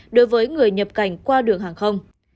đối với người nhập cảnh qua đường hàng không